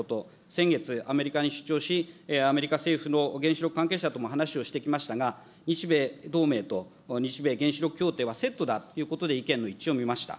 先月、アメリカに出張し、アメリカ政府の原子力関係者とも話をしてきましたが、日米同盟と日米原子力協定はセットだということで意見の一致を見ました。